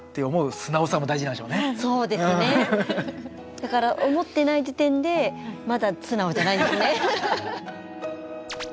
だから思ってない時点でまだ素直じゃないんですね。